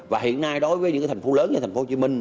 và hiện nay đối với những thành phố lớn như thành phố hồ chí minh